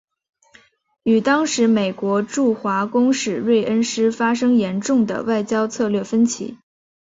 与当时美国驻华公使芮恩施发生严重的外交策略分歧。